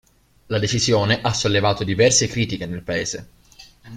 La decisione ha sollevato diverse critiche nel Paese.